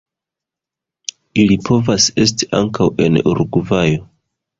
Ili povas esti ankaŭ en Urugvajo.